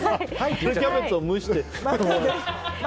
春キャベツを蒸して終わり。